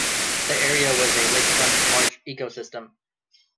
The area was a lakefront marsh ecosystem.